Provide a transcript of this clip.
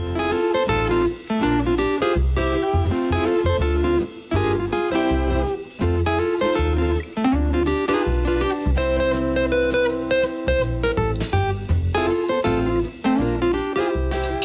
และท่าคนออกแขวน